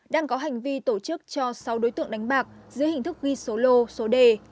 đang có hành vi tổ chức cho sáu đối tượng đánh bạc dưới hình thức ghi số lô số đề